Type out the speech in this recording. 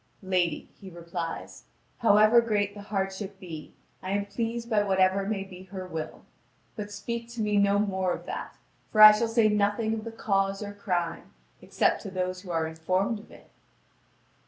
"Lady," he replies, "however great the hardship be, I am pleased by what ever may be her will. But speak to me no more of that; for I shall say nothing of the cause or crime, except to those who are informed of it."